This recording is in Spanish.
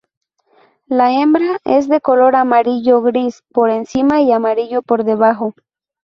La hembra es de color amarillo-gris por encima y amarillo por debajo.